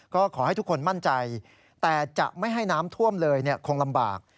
ก็ขอให้ทุกคนมั่นใจแต่จะไม่ให้น้ำท่วมเลยคงลำบาก